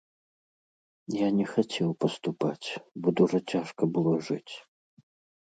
Я не хацеў паступаць, бо дужа цяжка было жыць.